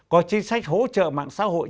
có chính sách hỗ trợ mạng xã hội